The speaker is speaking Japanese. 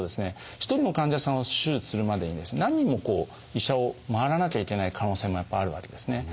一人の患者さんを手術するまでにですね何人もこう医者を回らなきゃいけない可能性もやっぱあるわけですね。